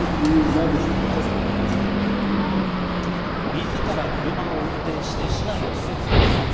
自ら車を運転して市内の施設を視察。